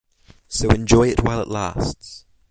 So enjoy it while it lasts.